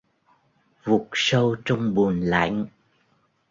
vục sâu trong bùn lạnh?